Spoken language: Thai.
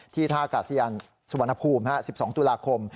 ที่ท่ากาเซียนสุวรรณภูมิ๑๒ตุลาคม